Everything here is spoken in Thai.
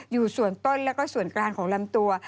อยู่ส่วนต้นแล้วก็ส่วนกลางของลำตัว